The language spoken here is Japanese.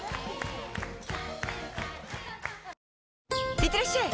いってらっしゃい！